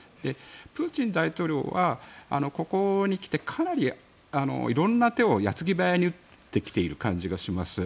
プーチン大統領はここに来てかなり色んな手を矢継ぎ早に打ってきている感じがします。